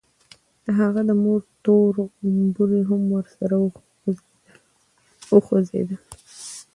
د هغه د مور تور غومبري هم سره وخوځېدل.